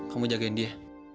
kamu jagain dia